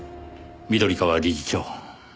緑川理事長。